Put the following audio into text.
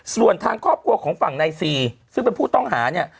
ส่วนทางครอบครัวของฝั่งนายซีซึ่งเป็นผู้ต้องหาเนี่ย